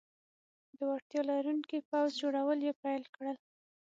د وړتیا لرونکي پوځ جوړول یې پیل کړل.